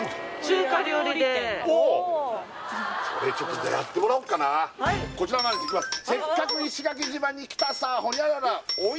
それちょっとじゃあやってもらおっかなこちらなんですけどいきます